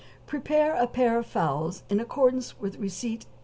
= Prepare a pair of fowls in accordance with receipt No.